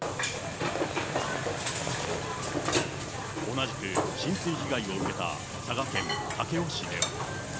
同じく、浸水被害を受けた佐賀県武雄市では。